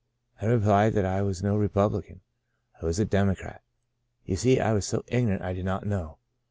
I replied that I was no Republican ; I was a Democrat. You see, I was so ignorant I did not know.